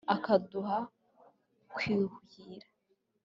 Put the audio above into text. Akaduha kwuhira.